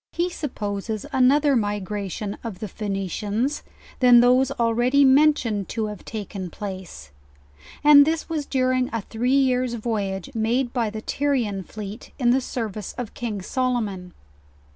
He suppo L^WIS AND CLARKE. 163 ses also another migration of the Phoenicians, than those al ready mentioned to have taken place; and this was during a three years voyage made by the Tyrian fleet in the service of King Solomon.